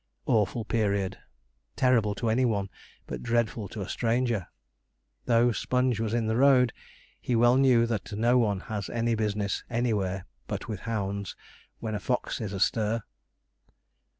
Awful period! terrible to any one, but dreadful to a stranger! Though Sponge was in the road, he well knew that no one has any business anywhere but with hounds, when a fox is astir.